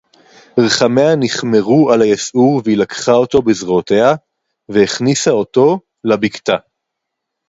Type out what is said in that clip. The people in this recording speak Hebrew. רַחֲמֶיהָ נִכְמְרוּ עַל הַיַּסְעוּר וְהִיא לָקְחָה אוֹתוֹ בִּזְרוֹעוֹתֶיהָ וְהִכְנִיסָה אוֹתוֹ לַבִּקְתָּה.